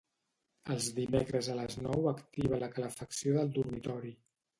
Els dimecres a les nou activa la calefacció del dormitori.